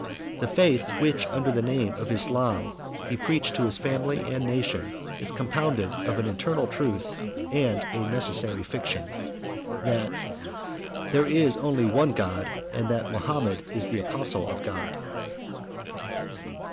The faith which, under the name of Islam, he preached to his family and nation, is compounded of an eternal truth, and a necessary fiction, That there is only one God, and that Mahomet is the apostle of God.